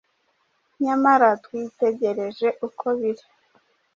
nyamara twitegereje uko biri,